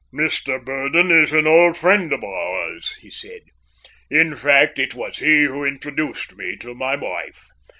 "Mr Burdon is an old friend of ours," he said. "In fact, it was he who introduced me to my wife.